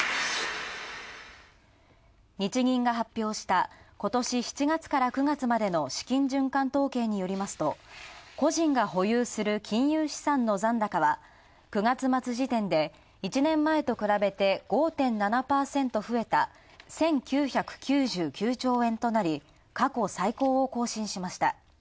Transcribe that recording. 日銀が発表した、今年７月から９月までの資金循環統計によりますと、個人が保有する金融資産の残高は９月末時点で、１年前と比べて５．７％増えた、１９９兆円となり、過去最高を更新しました。